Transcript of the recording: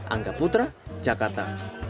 angga putra jakarta